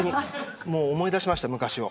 思い出しました昔を。